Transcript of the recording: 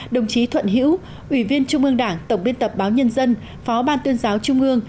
đồng chí thuận hữu ủy viên trung ương đảng tổng biên tập báo nhân dân phó ban tuyên giáo trung ương